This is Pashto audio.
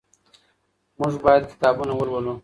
موږ باید کتابونه ولولو.